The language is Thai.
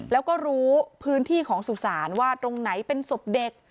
แล้วก็รู้พื้นที่ของสุสานว่าตรงไหนเป็นศพเด็ก